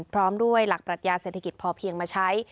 พร้อมด้วยหลักปรัชญาเศรษฐกิจพอเพียงมาใช้